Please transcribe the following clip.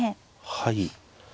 はい。